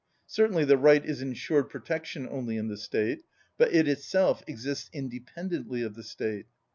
Certainly the right is insured protection only in the State. But it itself exists independently of the State.